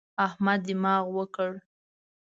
احمد دماغ وکړ.